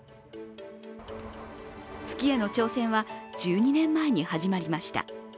月への挑戦は１２年前に始まりました。